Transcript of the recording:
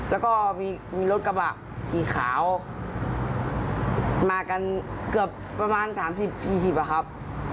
แล้วก็มีรถกระบะสีขาวมากันเกือบประมาณ๓๐๔๐อะครับ